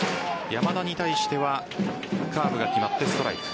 山田に対してはカーブが決まってストライク。